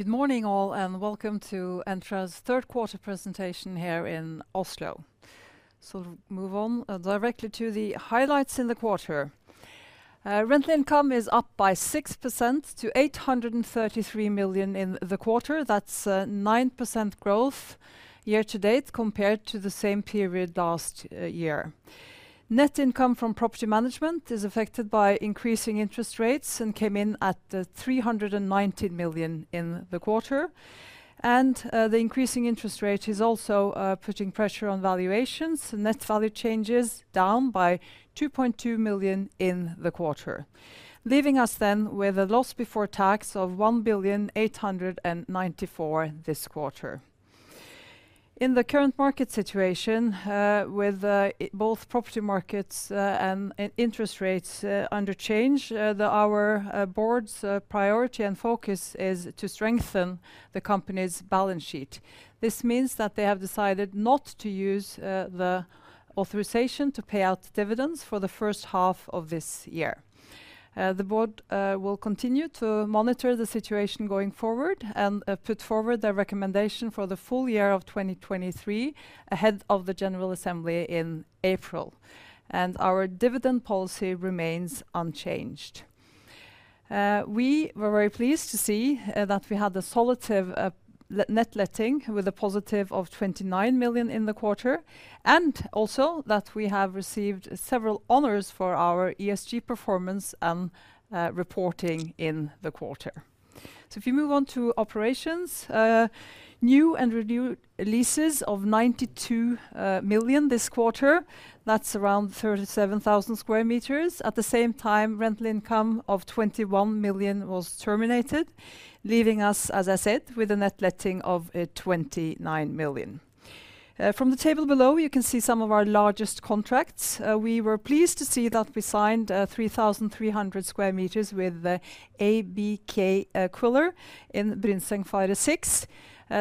Good morning, all, and welcome to Entra's third quarter presentation here in Oslo. So move on directly to the highlights in the quarter. Rental income is up by 6% to 833 million in the quarter. That's 9% growth year to date compared to the same period last year. Net income from property management is affected by increasing interest rates and came in at 390 million in the quarter. And the increasing interest rate is also putting pressure on valuations. Net value change is down by 2.2 million in the quarter, leaving us then with a loss before tax of 1,894 million this quarter. In the current market situation, with both property markets and interest rates under change, our board's priority and focus is to strengthen the company's balance sheet. This means that they have decided not to use the authorization to pay out dividends for the first half of this year. The board will continue to monitor the situation going forward and put forward their recommendation for the full year of 2023 ahead of the General Assembly in April, and our dividend policy remains unchanged. We were very pleased to see that we had a positive net letting, with a positive of 29 million in the quarter, and also that we have received several honors for our ESG performance and reporting in the quarter. So if you move on to operations, new and renewed leases of 92 million this quarter, that's around 37,000 square meters. At the same time, rental income of 21 million was terminated, leaving us, as I said, with a net letting of 29 million. From the table below, you can see some of our largest contracts. We were pleased to see that we signed 3,300 square meters with ABK-Qviller in Brynsengveien 6.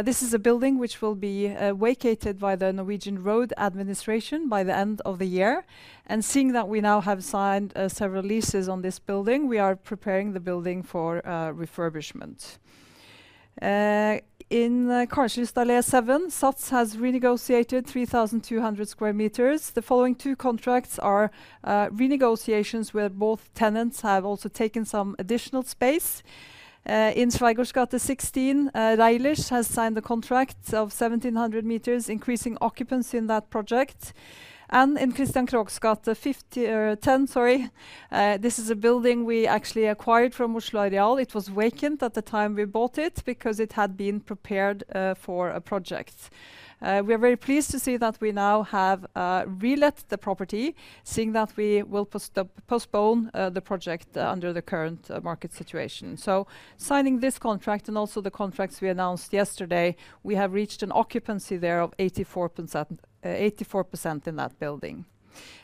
This is a building which will be vacated by the Norwegian Road Administration by the end of the year. And seeing that we now have signed several leases on this building, we are preparing the building for refurbishment. In Karl Johans gate 7, SATS has renegotiated 3,200 square meters. The following two contracts are renegotiations, where both tenants have also taken some additional space. In Schweigaards gate 16, Rejlers has signed a contract of 1,700 square meters, increasing occupancy in that project. In Christian Krohgs gate 10, sorry, this is a building we actually acquired from Oslo Areal. It was vacant at the time we bought it, because it had been prepared for a project. We are very pleased to see that we now have relet the property, seeing that we will postpone the project under the current market situation. So signing this contract and also the contracts we announced yesterday, we have reached an occupancy there of 84%, 84% in that building.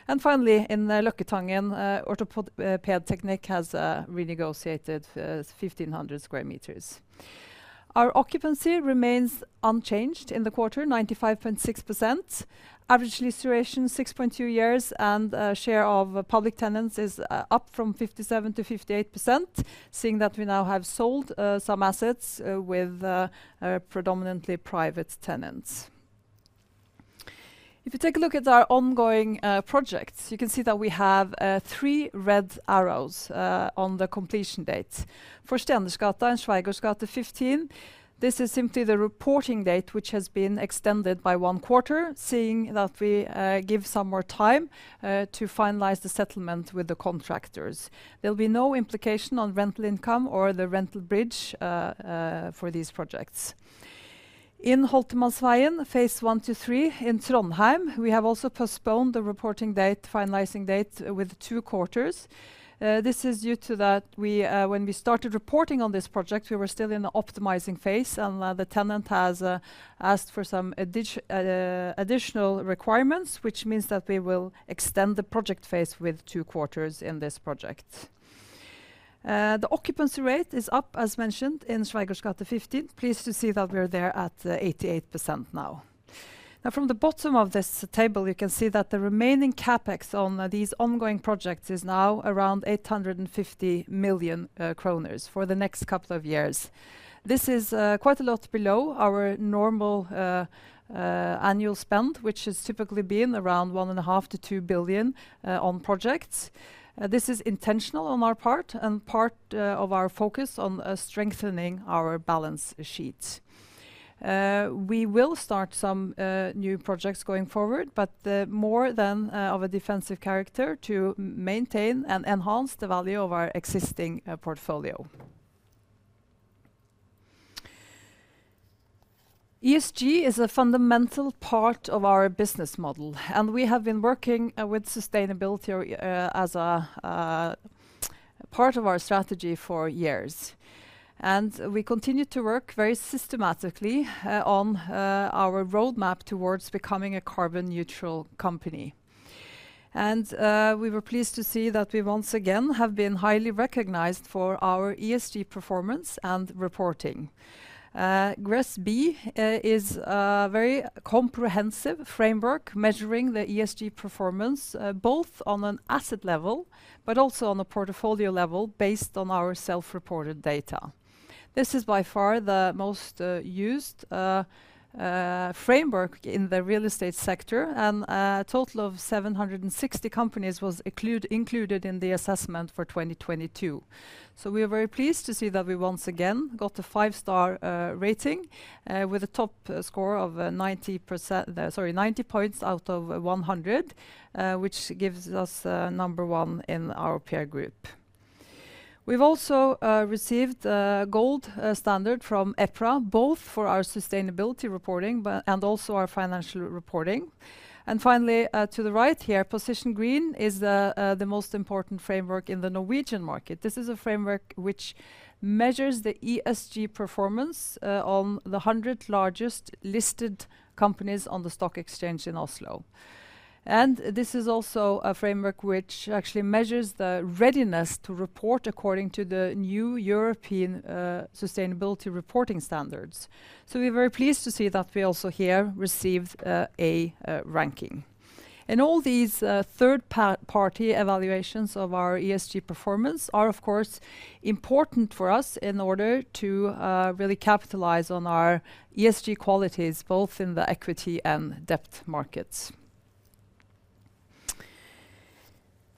And finally, in Løkketangen, Ortopediteknikk has renegotiated 1,500 square meters. Our occupancy remains unchanged in the quarter, 95.6%. Average lease duration, 6.2 years, and share of public tenants is up from 57%-58%, seeing that we now have sold some assets with predominantly private tenants. If you take a look at our ongoing projects, you can see that we have three red arrows on the completion date. For Stenersgata and Schweigaards gate 15, this is simply the reporting date, which has been extended by one quarter, seeing that we give some more time to finalize the settlement with the contractors. There'll be no implication on rental income or the rental bridge for these projects. In Holtermannsveien, phase I to III in Trondheim, we have also postponed the reporting date, finalizing date, with two quarters. This is due to that we, when we started reporting on this project, we were still in the optimizing phase, and, the tenant has asked for some additional requirements, which means that we will extend the project phase with two quarters in this project. The occupancy rate is up, as mentioned, in Schweigaards gate 15. Pleased to see that we are there at 88% now. Now, from the bottom of this table, you can see that the remaining CapEx on these ongoing projects is now around 850 million kroner for the next couple of years. This is quite a lot below our normal annual spend, which has typically been around 1.5-2 billion on projects. This is intentional on our part and part of our focus on strengthening our balance sheet. We will start some new projects going forward, but more of a defensive character to maintain and enhance the value of our existing portfolio. ESG is a fundamental part of our business model, and we have been working with sustainability as a part of our strategy for years. We continue to work very systematically on our roadmap towards becoming a carbon neutral company. We were pleased to see that we once again have been highly recognized for our ESG performance and reporting. GRESB is a very comprehensive framework measuring the ESG performance both on an asset level, but also on a portfolio level, based on our self-reported data. This is by far the most used framework in the real estate sector, and a total of 760 companies was included in the assessment for 2022. So we are very pleased to see that we once again got a five-star rating with a top score of 90%, sorry, 90 points out of 100, which gives us number one in our peer group. We've also received a gold standard from EPRA, both for our sustainability reporting, but and also our financial reporting. And finally, to the right here, Position Green is the most important framework in the Norwegian market. This is a framework which measures the ESG performance on the 100 largest listed companies on the stock exchange in Oslo. This is also a framework which actually measures the readiness to report according to the new European Sustainability Reporting Standards. So we're very pleased to see that we also here received a ranking. All these third party evaluations of our ESG performance are, of course, important for us in order to really capitalize on our ESG qualities, both in the equity and debt markets.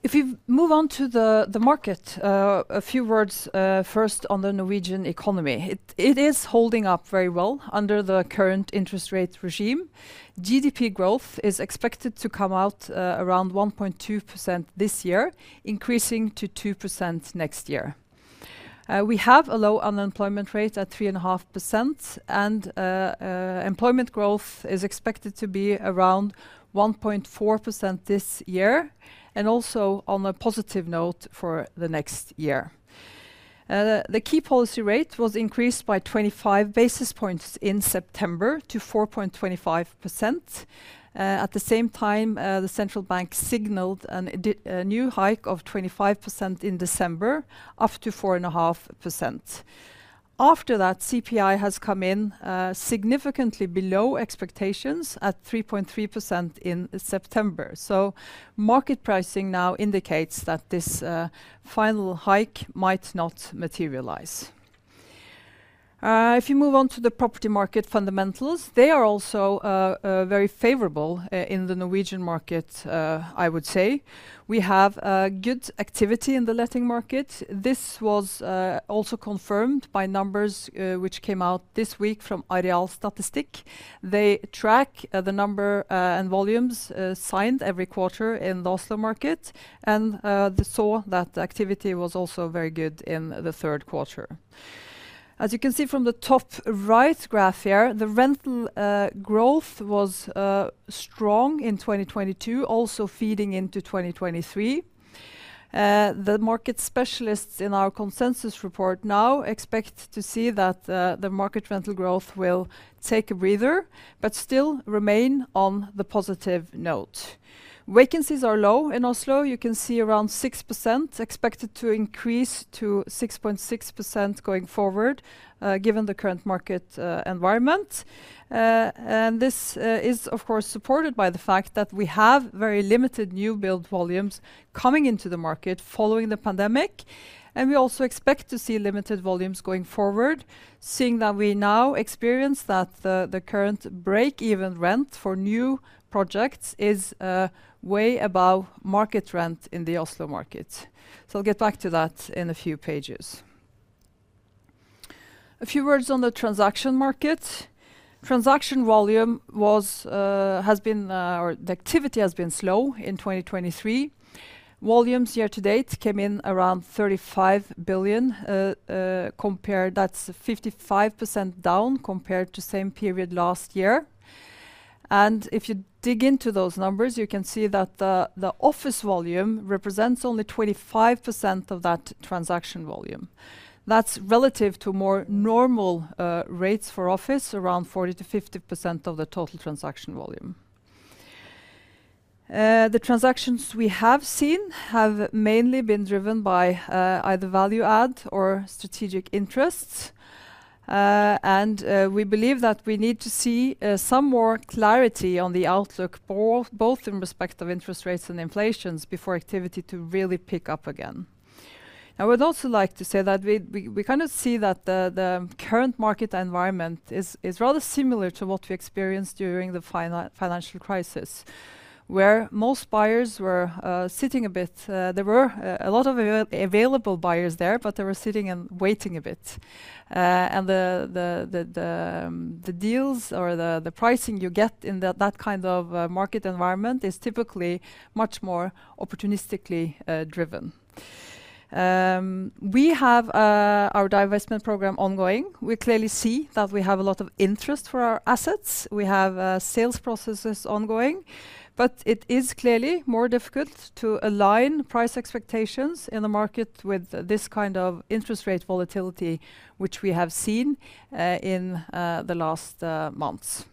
If you move on to the market, a few words first, on the Norwegian economy. It is holding up very well under the current interest rate regime. GDP growth is expected to come out around 1.2% this year, increasing to 2% next year. We have a low unemployment rate at 3.5%, and employment growth is expected to be around 1.4% this year, and also on a positive note for the next year. The key policy rate was increased by 25 basis points in September to 4.25%. At the same time, the central bank signaled a new hike of 25% in December, up to 4.5%. After that, CPI has come in significantly below expectations at 3.3% in September. So market pricing now indicates that this final hike might not materialize. If you move on to the property market fundamentals, they are also very favorable in the Norwegian market, I would say. We have a good activity in the letting market. This was also confirmed by numbers which came out this week from Arealstatistikk. They track the number and volumes signed every quarter in the Oslo market, and they saw that activity was also very good in the third quarter. As you can see from the top right graph here, the rental growth was strong in 2022, also feeding into 2023. The market specialists in our consensus report now expect to see that the market rental growth will take a breather, but still remain on the positive note. Vacancies are low in Oslo. You can see around 6%, expected to increase to 6.6% going forward, given the current market environment. And this is of course supported by the fact that we have very limited new build volumes coming into the market following the pandemic, and we also expect to see limited volumes going forward, seeing that we now experience that the current break-even rent for new projects is way above market rent in the Oslo market. So I'll get back to that in a few pages. A few words on the transaction market. Transaction volume was, has been, or the activity has been slow in 2023. Volumes year to date came in around 35 billion compared. That's 55% down compared to same period last year. And if you dig into those numbers, you can see that the office volume represents only 25% of that transaction volume. That's relative to more normal rates for office, around 40%-50% of the total transaction volume. The transactions we have seen have mainly been driven by either value add or strategic interests. And we believe that we need to see some more clarity on the outlook, both in respect of interest rates and inflation, before activity to really pick up again. I would also like to say that we kind of see that the current market environment is rather similar to what we experienced during the financial crisis, where most buyers were sitting a bit. There were a lot of available buyers there, but they were sitting and waiting a bit. And the deals or the pricing you get in that kind of market environment is typically much more opportunistically driven. We have our divestment program ongoing. We clearly see that we have a lot of interest for our assets. We have sales processes ongoing, but it is clearly more difficult to align price expectations in the market with this kind of interest rate volatility, which we have seen in the last months.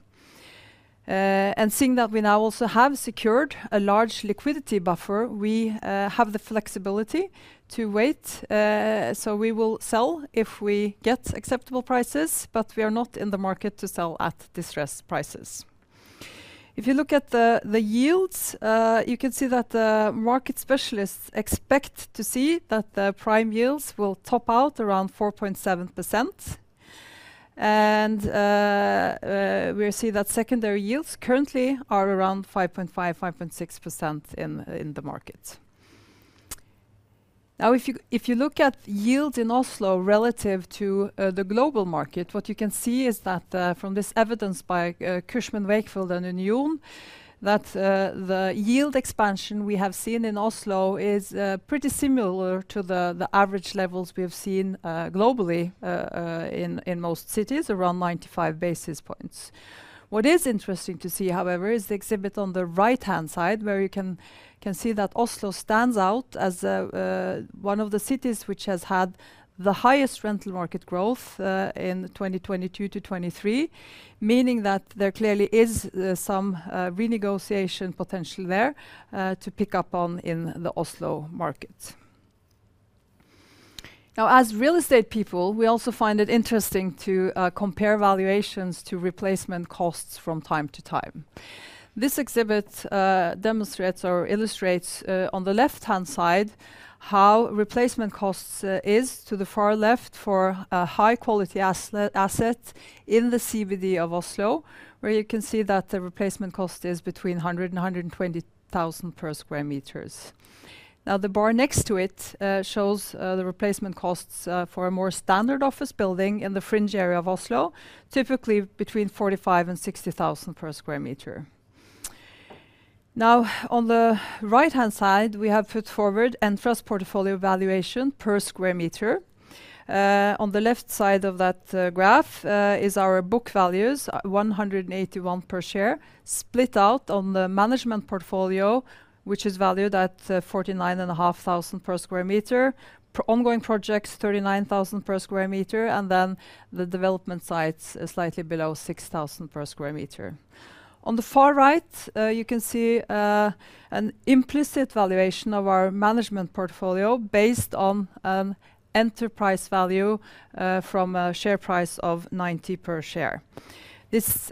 And seeing that we now also have secured a large liquidity buffer, we have the flexibility to wait. So we will sell if we get acceptable prices, but we are not in the market to sell at distressed prices. If you look at the yields, you can see that the market specialists expect to see that the prime yields will top out around 4.7%. And we see that secondary yields currently are around 5.5%-5.6% in the market. Now, if you look at yield in Oslo relative to the global market, what you can see is that from this evidence by Cushman & Wakefield and Union, that the yield expansion we have seen in Oslo is pretty similar to the average levels we have seen globally in most cities, around 95 basis points. What is interesting to see, however, is the exhibit on the right-hand side, where you can see that Oslo stands out as one of the cities which has had the highest rental market growth in 2022-2023, meaning that there clearly is some renegotiation potential there to pick up on in the Oslo market. Now, as real estate people, we also find it interesting to compare valuations to replacement costs from time to time. This exhibit demonstrates or illustrates on the left-hand side, how replacement costs is to the far left for a high-quality asset in the CBD of Oslo, where you can see that the replacement cost is between 100,000-120,000 per sq m. Now, the bar next to it shows the replacement costs for a more standard office building in the fringe area of Oslo, typically between 45,000-60,000 per sq m. Now, on the right-hand side, we have put forward Entra's portfolio valuation per sq m. On the left side of that graph is our book values, 181 per share, split out on the management portfolio, which is valued at 49,500 per sq m. For ongoing projects, 39,000 per sq m, and then the development sites are slightly below 6,000 per sq m. On the far right, you can see an implicit valuation of our management portfolio based on an enterprise value from a share price of 90 per share. This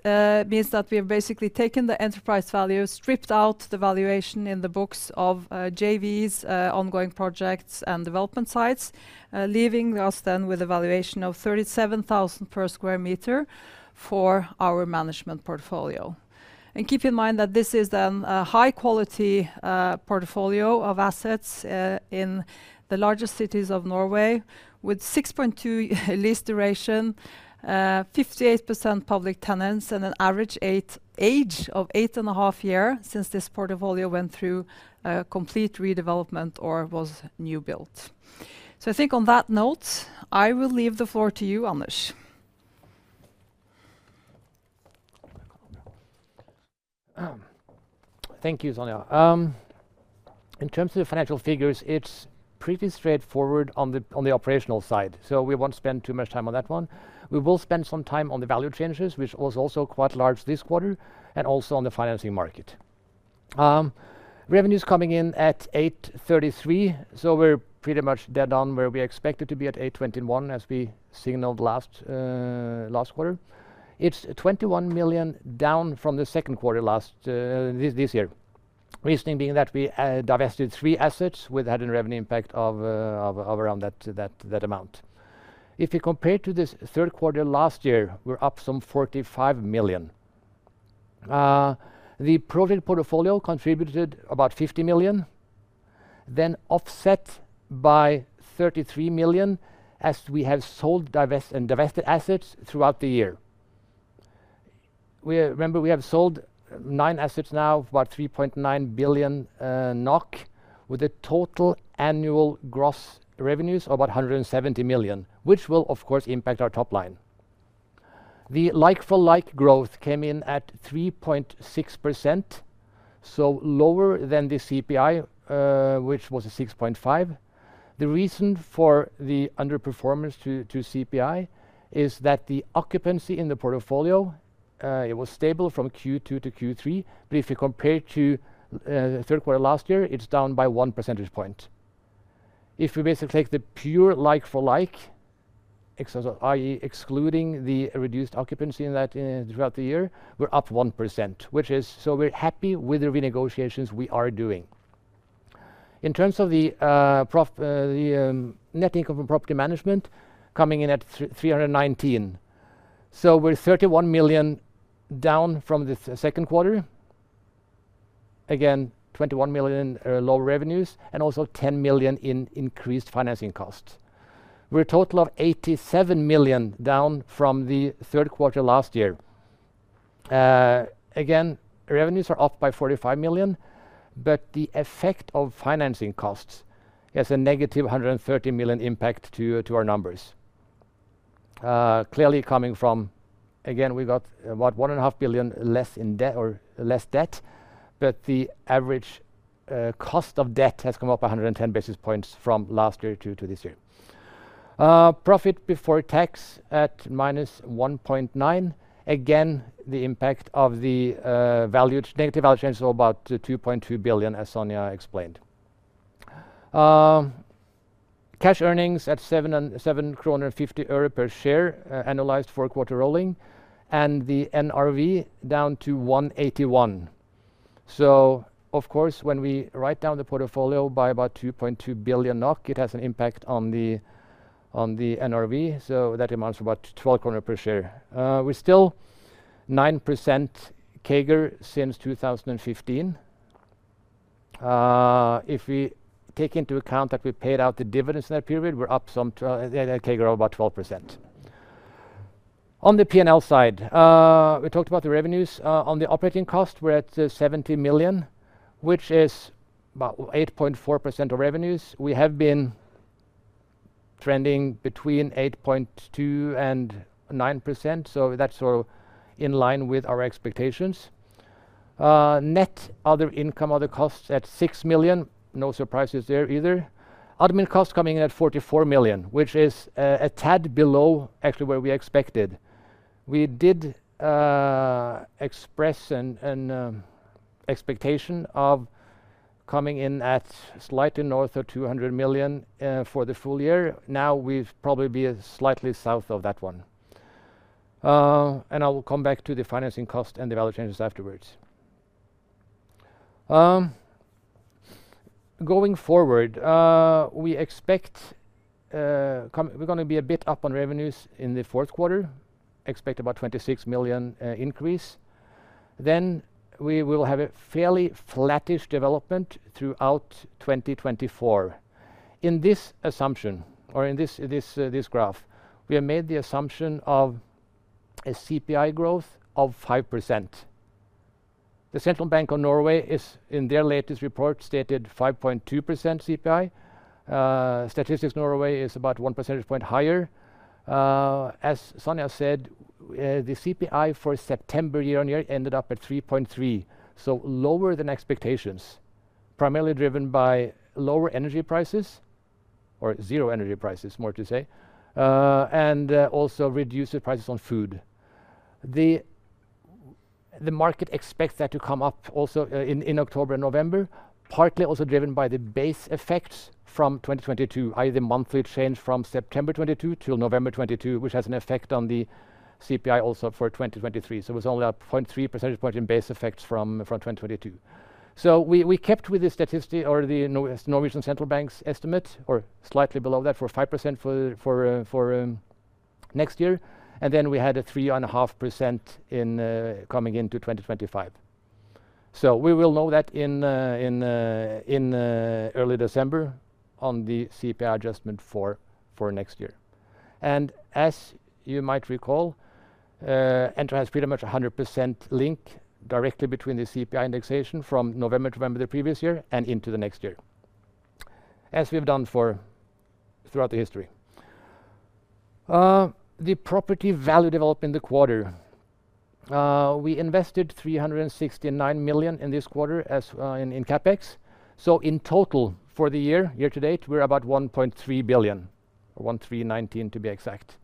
means that we have basically taken the enterprise value, stripped out the valuation in the books of JVs, ongoing projects, and development sites, leaving us then with a valuation of 37,000 per square meter for our management portfolio. And keep in mind that this is then a high-quality portfolio of assets in the largest cities of Norway, with 6.2 lease duration, 58% public tenants, and an average age of 8.5 years since this portfolio went through a complete redevelopment or was new built. So I think on that note, I will leave the floor to you, Anders. Thank you, Sonja. In terms of the financial figures, it's pretty straightforward on the operational side, so we won't spend too much time on that one. We will spend some time on the value changes, which was also quite large this quarter, and also on the financing market. Revenues coming in at 833 million, so we're pretty much dead on where we expected to be at 821 million, as we signaled last quarter. It's 21 million down from the second quarter last this year. Reasoning being that we divested three assets with that in revenue impact of around that amount. If you compare to this third quarter last year, we're up some 45 million. The project portfolio contributed about 50 million, then offset by 33 million, as we have sold, divest, and divested assets throughout the year. Remember, we have sold nine assets now of about 3.9 billion NOK, with a total annual gross revenues of about 170 million, which will, of course, impact our top line. The like-for-like growth came in at 3.6%, so lower than the CPI, which was 6.5%. The reason for the underperformance to CPI is that the occupancy in the portfolio, it was stable from Q2 to Q3, but if you compare to third quarter last year, it's down by one percentage point. If we basically take the pure like-for-like, ex... i.e., excluding the reduced occupancy in that, throughout the year, we're up 1%, which is, so we're happy with the renegotiations we are doing. In terms of the profit, the net income from property management coming in at 319. So we're 31 million down from the second quarter. Again, 21 million lower revenues, and also 10 million in increased financing costs. We're a total of 87 million down from the third quarter last year. Again, revenues are up by 45 million, but the effect of financing costs has a negative 130 million impact to our numbers. Clearly coming from, again, we got about 1.5 billion less in debt or less debt, but the average cost of debt has come up 110 basis points from last year to this year. Profit before tax at minus 1.9 billion. Again, the impact of the value-negative value change, so about 2.2 billion, as Sonja explained. Cash earnings at NOK 7.75 per share, analyzed four-quarter rolling, and the NRV down to 181. So of course, when we write down the portfolio by about 2.2 billion NOK, it has an impact on the NRV, so that amounts to about 12 per share. We're still 9% CAGR since 2015. If we take into account that we paid out the dividends in that period, we're up some CAGR of about 12%. On the P&L side, we talked about the revenues. On the operating cost, we're at 70 million, which is about 8.4% of revenues. We have been trending between 8.2% and 9%, so that's sort of in line with our expectations. Net other income, other costs at 6 million, no surprises there either. Admin costs coming in at 44 million, which is a tad below actually where we expected. We did express an expectation of coming in at slightly north of 200 million for the full year. Now, we've probably be slightly south of that one. I will come back to the financing cost and the value changes afterwards. Going forward, we expect we're gonna be a bit up on revenues in the fourth quarter, expect about 26 million increase. Then we will have a fairly flattish development throughout 2024. In this assumption or in this graph, we have made the assumption of a CPI growth of 5%. The Central Bank of Norway is, in their latest report, stated 5.2% CPI. Statistics Norway is about one percentage point higher. As Sonja said, the CPI for September year-on-year ended up at 3.3%, so lower than expectations, primarily driven by lower energy prices or zero energy prices, more to say, and also reduced the prices on food. The market expects that to come up also in October and November, partly also driven by the base effects from 2022, i.e., the monthly change from September 2022 till November 2022, which has an effect on the CPI also for 2023. So it was only a 0.3 percentage point in base effects from 2022. So we kept with the Statistics Norway or the Norwegian Central Bank's estimate, or slightly below that, for 5% for next year, and then we had a 3.5% coming into 2025. So we will know that in early December on the CPI adjustment for next year. And as you might recall, Entra has pretty much 100% link directly between the CPI indexation from November to November the previous year and into the next year, as we've done for throughout the history. The property value development in the quarter. We invested 369 million in this quarter as, in, in CapEx. So in total, for the year, year to date, we're about 1.3 billion, or 1.319 billion to be exact.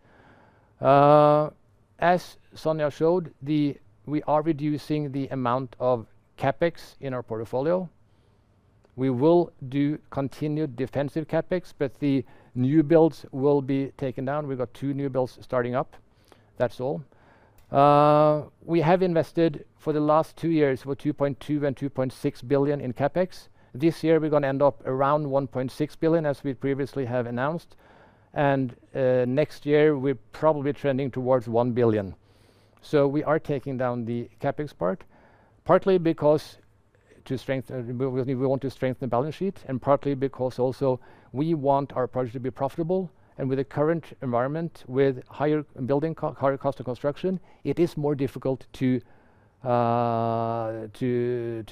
As Sonja showed, the. We are reducing the amount of CapEx in our portfolio. We will do continued defensive CapEx, but the new builds will be taken down. We've got two new builds starting up. That's all. We have invested for the last two years for 2.2 billion and 2.6 billion in CapEx. This year, we're gonna end up around 1.6 billion, as we previously have announced, and next year, we're probably trending towards 1 billion. So we are taking down the CapEx part, partly because to strengthen, we want to strengthen the balance sheet, and partly because also we want our project to be profitable, and with the current environment, with higher cost of construction, it is more difficult to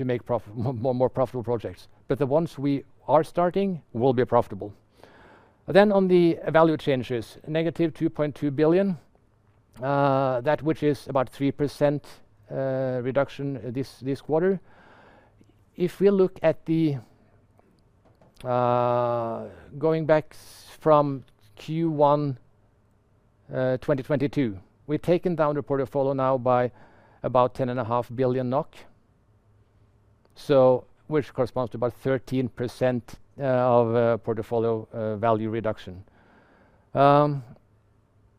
make more profitable projects. But the ones we are starting will be profitable. Then on the value changes, negative 2.2 billion, that which is about 3% reduction this quarter. If we look at, going back from Q1 2022, we've taken down the portfolio now by about 10.5 billion NOK, so which corresponds to about 13% of portfolio value reduction.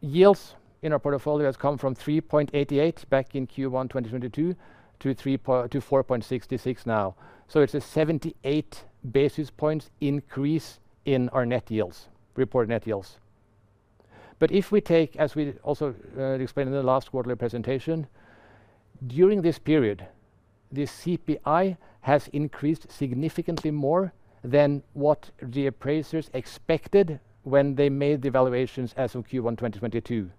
Yields in our portfolio has come from 3.88% back in Q1 2022, to 4.66% now. So it's a 78 basis points increase in our net yields, reported net yields. But if we take, as we also explained in the last quarterly presentation, during this period, the CPI has increased significantly more than what the appraisers expected when they made the valuations as of Q1 2022.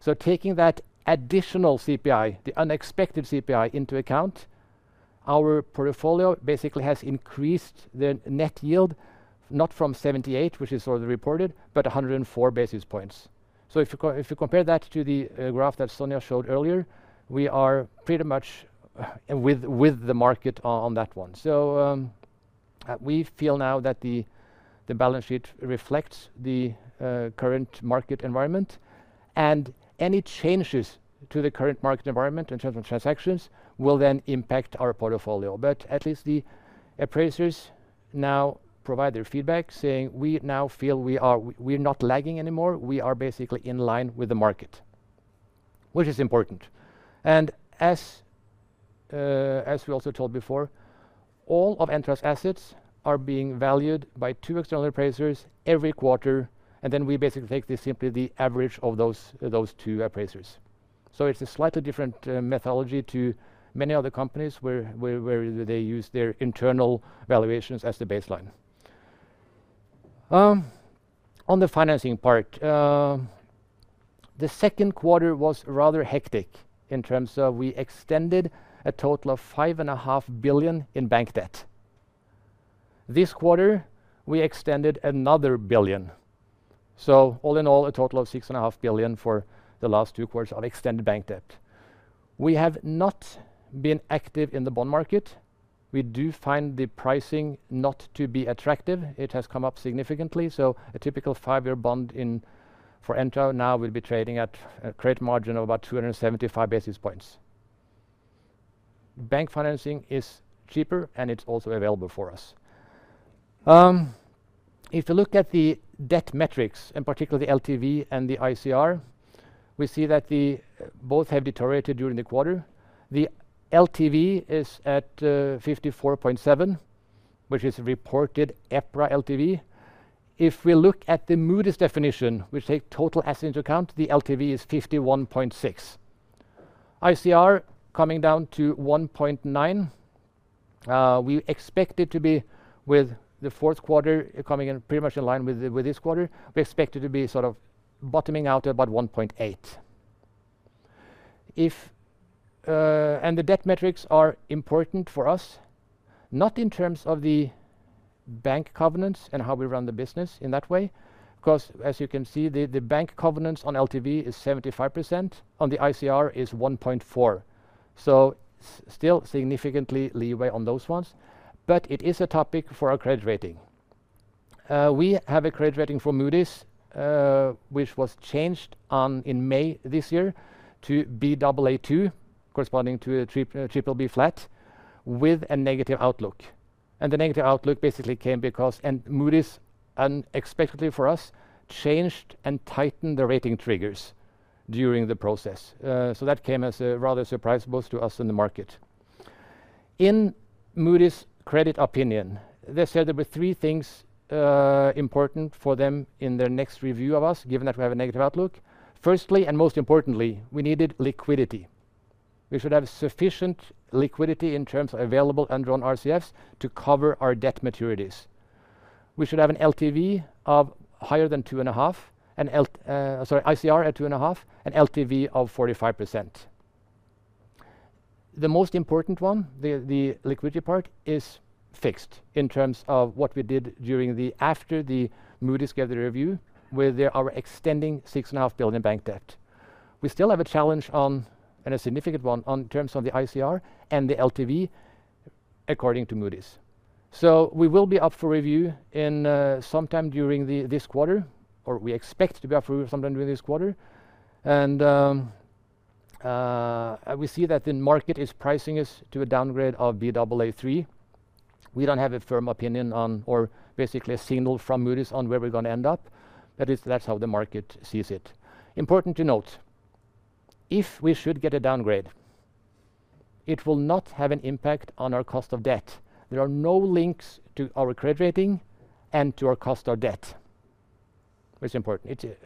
So taking that additional CPI, the unexpected CPI, into account, our portfolio basically has increased the net yield, not from 78, which is already reported, but 104 basis points. So if you compare that to the graph that Sonja showed earlier, we are pretty much with the market on that one. So, we feel now that the balance sheet reflects the current market environment, and any changes to the current market environment in terms of transactions will then impact our portfolio. But at least the appraisers now provide their feedback, saying, "We now feel we are—we're not lagging anymore. We are basically in line with the market," which is important. And as we also told before, all of Entra's assets are being valued by two external appraisers every quarter, and then we basically take simply the average of those two appraisers. So it's a slightly different methodology to many other companies, where they use their internal valuations as the baseline. On the financing part, the second quarter was rather hectic in terms of we extended a total of 5.5 billion in bank debt. This quarter, we extended another 1 billion. So all in all, a total of 6.5 billion for the last two quarters of extended bank debt. We have not been active in the bond market. We do find the pricing not to be attractive. It has come up significantly, so a typical five-year bond in for Entra now will be trading at a credit margin of about 275 basis points. Bank financing is cheaper, and it's also available for us. If you look at the debt metrics, in particular the LTV and the ICR, we see that both have deteriorated during the quarter. The LTV is at 54.7%, which is reported EPRA LTV. If we look at the Moody's definition, which take total assets into account, the LTV is 51.6%. ICR coming down to 1.9. We expect it to be with the fourth quarter coming in pretty much in line with the, with this quarter. We expect it to be sort of bottoming out at about 1.8. And the debt metrics are important for us, not in terms of the bank covenants and how we run the business in that way, 'cause as you can see, the, the bank covenants on LTV is 75%, on the ICR is 1.4. So still significantly leeway on those ones, but it is a topic for our credit rating. We have a credit rating from Moody's, which was changed in May this year to Baa2, corresponding to a triple B flat with a negative outlook. The negative outlook basically came because Moody's, unexpectedly for us, changed and tightened the rating triggers during the process. So that came as rather a surprise both to us and the market. In Moody's credit opinion, they said there were three things important for them in their next review of us, given that we have a negative outlook. Firstly, and most importantly, we needed liquidity. We should have sufficient liquidity in terms of available and drawn RCFs to cover our debt maturities. We should have an LTV higher than 2.5, an ICR at 2.5, an LTV of 45%. The most important one, the liquidity part, is fixed in terms of what we did during the after the Moody's credit review, where we're extending 6.5 billion in bank debt. We still have a challenge on, and a significant one, in terms of the ICR and the LTV, according to Moody's. So we will be up for review in sometime during this quarter, or we expect to be up for review sometime during this quarter. We see that the market is pricing us to a downgrade of Baa3. We don't have a firm opinion on or basically a signal from Moody's on where we're going to end up. That is, that's how the market sees it. Important to note, if we should get a downgrade, it will not have an impact on our cost of debt. There are no links to our credit rating and to our cost of debt. It's important. It,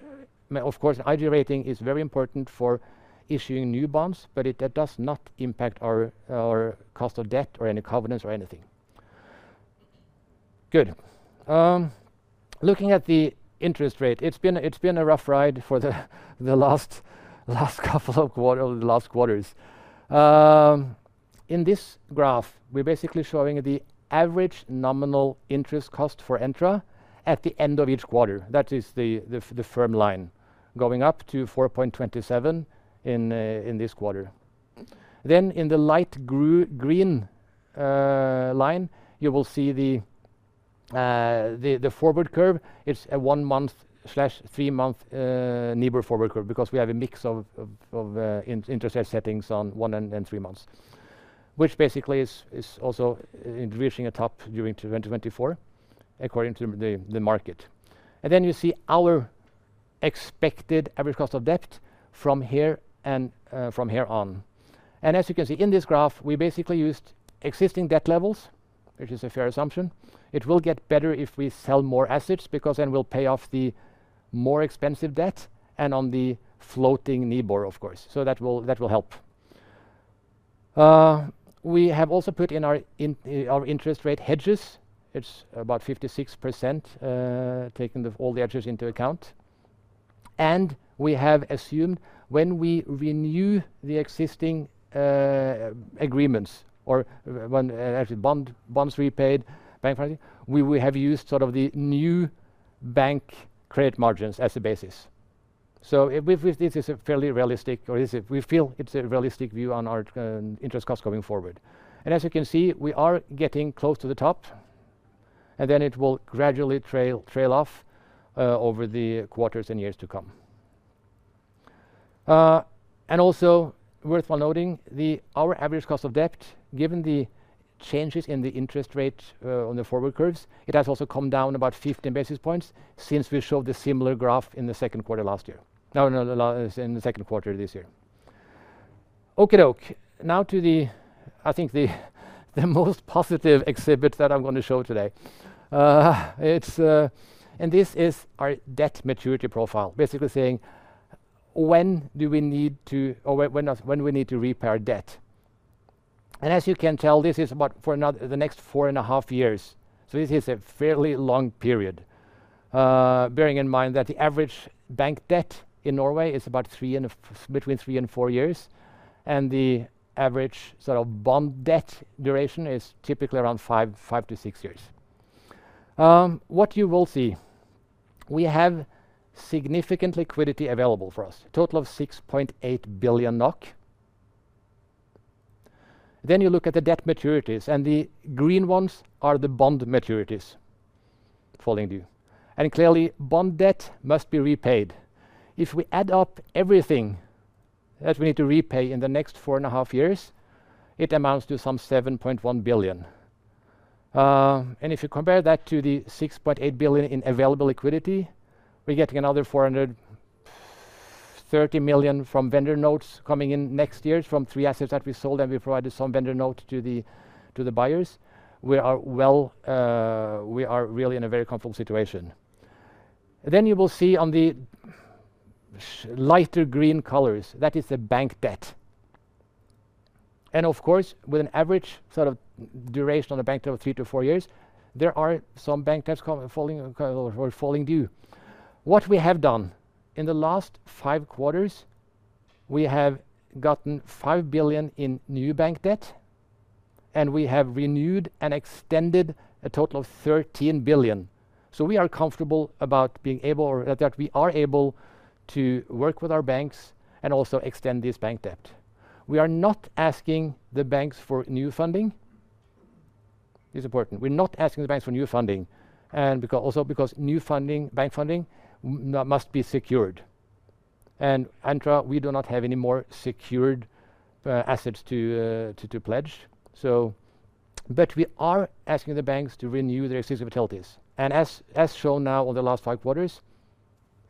of course, IG rating is very important for issuing new bonds, but that does not impact our, our cost of debt or any covenants or anything. Good. Looking at the interest rate, it's been a rough ride for the last couple of quarters. In this graph, we're basically showing the average nominal interest cost for Entra at the end of each quarter. That is the firm line going up to 4.27% in this quarter. Then in the light green line, you will see the forward curve. It's a one-month/three-month NIBOR forward curve because we have a mix of interest rate settings on one and three months, which basically is also reaching a top during 2024, according to the market. Then you see our expected average cost of debt from here and from here on. As you can see in this graph, we basically used existing debt levels, which is a fair assumption. It will get better if we sell more assets because then we'll pay off the more expensive debt and on the floating NIBOR, of course. So that will help. We have also put in our interest rate hedges. It's about 56%, taking all the hedges into account. And we have assumed when we renew the existing agreements or when actually bonds repaid, bank financing, we have used sort of the new bank credit margins as a basis. So this is a fairly realistic, we feel it's a realistic view on our interest costs going forward. And as you can see, we are getting close to the top, and then it will gradually trail off over the quarters and years to come. And also worth noting, our average cost of debt, given the changes in the interest rate on the forward curves, it has also come down about 15 basis points since we showed a similar graph in the second quarter of this year. Okey-doke. Now to the, I think, the most positive exhibit that I'm gonna show today. And this is our debt maturity profile, basically saying when do we need to—or when not, when do we need to repay our debt? And as you can tell, this is about for another, the next four and a half years, so this is a fairly long period. Bearing in mind that the average bank debt in Norway is about between three and four years, and the average sort of bond debt duration is typically around five to six years. What you will see, we have significant liquidity available for us, a total of 6.8 billion NOK. Then you look at the debt maturities, and the green ones are the bond maturities falling due, and clearly, bond debt must be repaid. If we add up everything that we need to repay in the next 4.5 years, it amounts to some 7.1 billion. And if you compare that to the 6.8 billion in available liquidity, we're getting another 430 million from vendor notes coming in next year from three assets that we sold, and we provided some vendor note to the, to the buyers. We are well, we are really in a very comfortable situation. Then you will see on the lighter green colors, that is the bank debt. And of course, with an average sort of duration on a bank debt of three to four years, there are some bank debts coming, falling, falling due. What we have done, in the last five quarters, we have gotten 5 billion in new bank debt, and we have renewed and extended a total of 13 billion. So we are comfortable about being able, or that we are able to work with our banks and also extend this bank debt. We are not asking the banks for new funding. It's important. We're not asking the banks for new funding, and because also because new funding, bank funding must be secured, and Entra, we do not have any more secured assets to pledge, so. But we are asking the banks to renew their existing facilities. And as shown now over the last five quarters,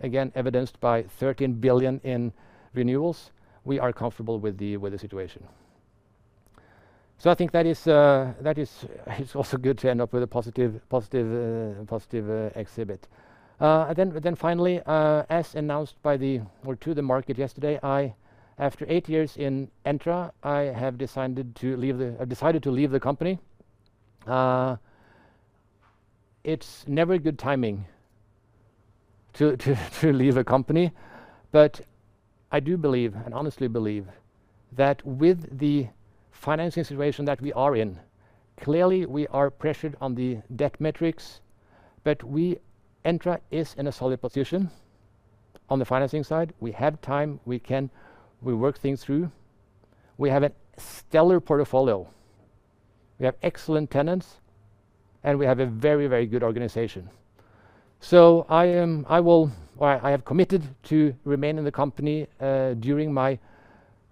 again, evidenced by 13 billion in renewals, we are comfortable with the situation. So I think that is, that is, it's also good to end up with a positive, positive, positive exhibit. And then, then finally, as announced to the market yesterday, I, after eight years in Entra, I have decided to leave the—I've decided to leave the company. It's never good timing to leave a company, but I do believe, and honestly believe, that with the financing situation that we are in, clearly, we are pressured on the debt metrics, but we, Entra is in a solid position on the financing side. We have time. We can... We work things through. We have a stellar portfolio, we have excellent tenants, and we have a very, very good organization. So, well, I have committed to remain in the company during my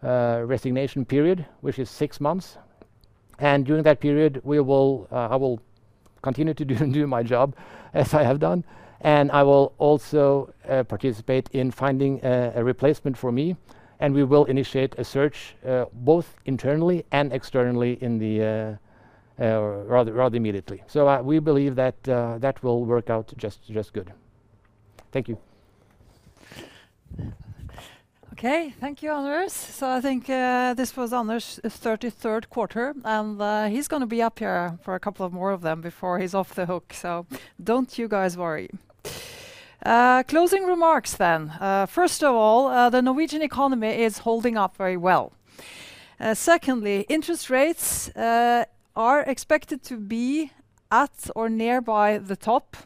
resignation period, which is six months, and during that period, I will continue to do my job as I have done, and I will also participate in finding a replacement for me, and we will initiate a search both internally and externally rather immediately. So, we believe that that will work out just good. Thank you. Okay, thank you, Anders. So I think this was Anders' 33rd quarter, and he's gonna be up here for a couple of more of them before he's off the hook, so don't you guys worry. Closing remarks then. First of all, the Norwegian economy is holding up very well. Secondly, interest rates are expected to be at or nearby the top.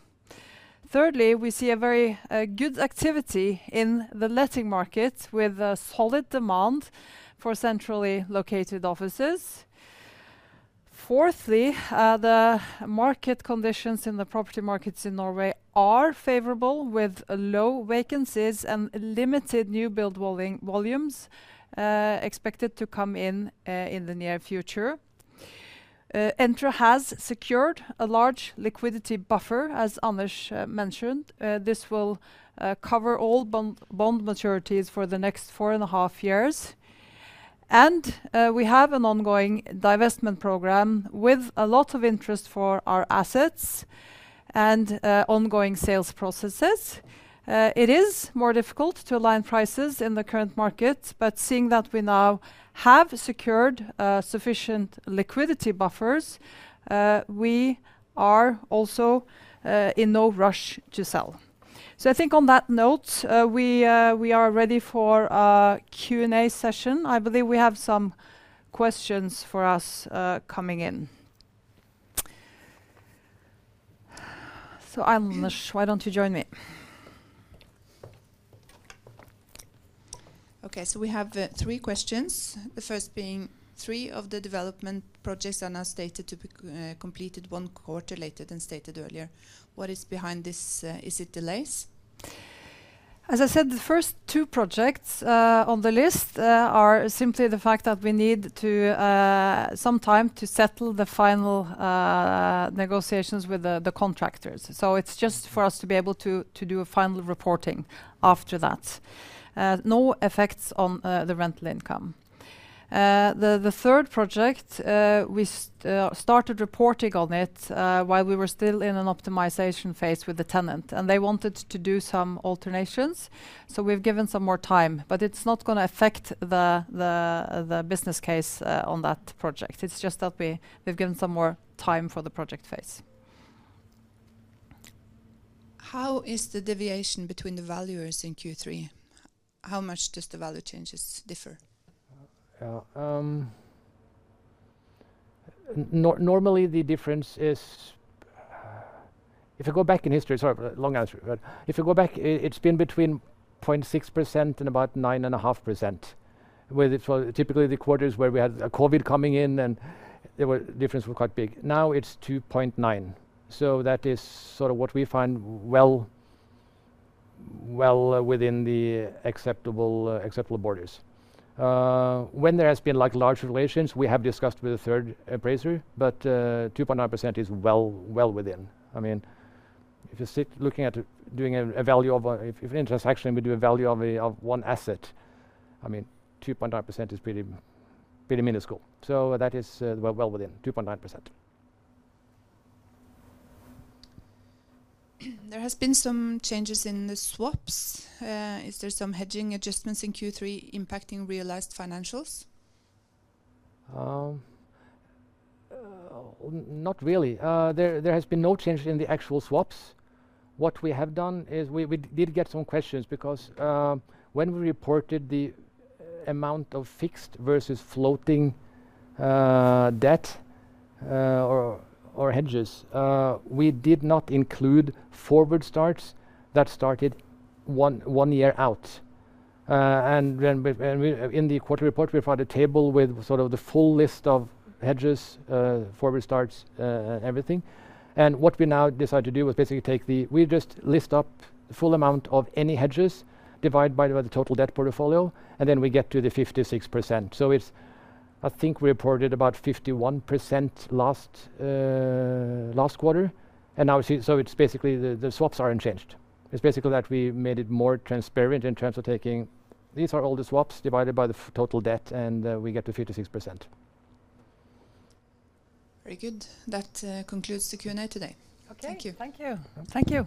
Thirdly, we see a very good activity in the letting market, with a solid demand for centrally located offices. Fourthly, the market conditions in the property markets in Norway are favorable, with low vacancies and limited new build volumes expected to come in in the near future. Entra has secured a large liquidity buffer, as Anders mentioned. This will cover all bond maturities for the next four and a half years. And, we have an ongoing divestment program with a lot of interest for our assets and ongoing sales processes. It is more difficult to align prices in the current market, but seeing that we now have secured sufficient liquidity buffers, we are also in no rush to sell. So I think on that note, we are ready for a Q&A session. I believe we have some questions for us coming in. So, Anders, why don't you join me? Okay, so we have, three questions. The first being: three of the development projects are now stated to be completed one quarter later than stated earlier. What is behind this, is it delays? As I said, the first two projects on the list are simply the fact that we need some time to settle the final negotiations with the contractors. So it's just for us to be able to do a final reporting after that. No effects on the rental income. The third project, we started reporting on it while we were still in an optimization phase with the tenant, and they wanted to do some alterations, so we've given some more time. But it's not gonna affect the business case on that project. It's just that we've given some more time for the project phase. How is the deviation between the valuers in Q3? How much does the value changes differ? Yeah, normally, the difference is... If you go back in history—sorry, long answer, but if you go back, it's been between 0.6% and about 9.5%, where it was typically the quarters where we had COVID coming in, and differences were quite big. Now, it's 2.9%, so that is sort of what we find well, well within the acceptable, acceptable borders. When there has been, like, large variations, we have discussed with a third appraiser, but 2.9% is well, well within. I mean, if you sit looking at it, doing a value of a—if a transaction, we do a value of a one asset, I mean, 2.9% is pretty, pretty minuscule. So that is, well, well within 2.9%. There has been some changes in the swaps. Is there some hedging adjustments in Q3 impacting realized financials? Not really. There has been no change in the actual swaps. What we have done is we did get some questions because when we reported the amount of fixed versus floating debt or hedges, we did not include forward starts that started one year out. And then in the quarter report, we found a table with sort of the full list of hedges, forward starts, everything. And what we now decided to do was basically we just list up the full amount of any hedges, divide by the total debt portfolio, and then we get to the 56%. So it's... I think we reported about 51% last quarter, and now we see so it's basically the swaps are unchanged. It's basically that we made it more transparent in terms of taking, "These are all the swaps divided by the total debt, and we get to 56%. Very good. That concludes the Q&A today. Okay. Thank you. Thank you. Thank you!